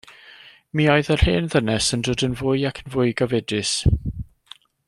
Mi oedd yr hen ddynes yn dod yn fwy ac yn fwy gofidus.